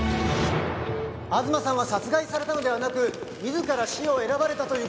東さんは殺害されたのではなく自ら死を選ばれたという事ですが。